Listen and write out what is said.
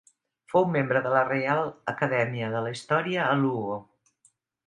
Fou membre de la Reial Acadèmia de la Història a Lugo.